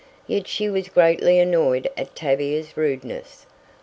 Yet she was greatly annoyed at Tavia's rudeness.